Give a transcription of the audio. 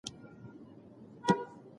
ویښتو ته نرمه مساج اړین دی.